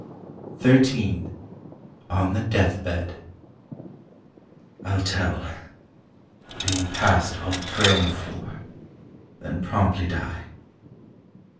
XIII ON THE DEATH BED "I'LL tell—being past all praying for— Then promptly die